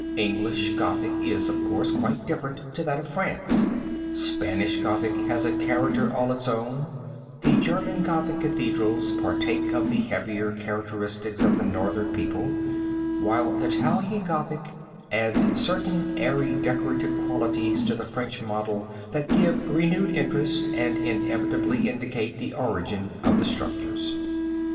English Gothic is, of course, quite different to that of France; Spanish Gothic has a character all its own; the German Gothic cathedrals partake of the heavier characteristics of the Northern people, while Italian Gothic adds certain airy decorative qualities to the French model that give renewed interest and inevitably indicate the origin of the structures.